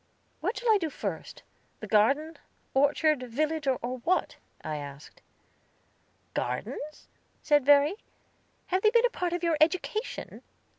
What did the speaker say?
"What shall I do first? the garden, orchard, village, or what?" I asked. "Gardens?" said Verry. "Have they been a part of your education?"